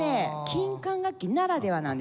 金管楽器ならではなんです。